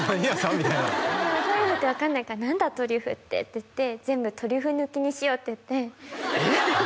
みたいなトリュフって分かんないから「何だトリュフって」って言って「全部トリュフ抜きにしよう」って言ってえっ？